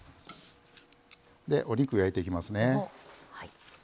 お肉焼いていきますね。